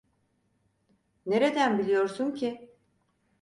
Nereden biliyorsun ki?